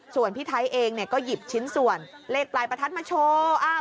ส่วนพี่ไทยเองเนี่ยก็หยิบชิ้นส่วนเลขปลายประทัดมาโชว์